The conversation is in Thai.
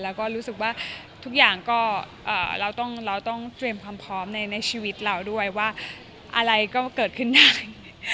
แล้วก็รู้สึกว่าทุกอย่างก็เราต้องเตรียมความพร้อมในชีวิตเราด้วยว่าอะไรก็เกิดขึ้นได้